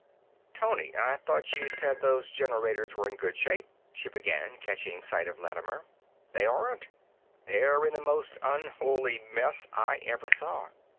"Tony, I thought you said those generators were in good shape," she began, catching sight of Lattimer. "They aren't. They're in the most unholy mess I ever saw.